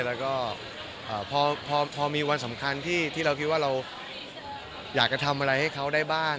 แล้วก็พอมีวันสำคัญที่เราคิดว่าเราอยากจะทำอะไรให้เขาได้บ้าง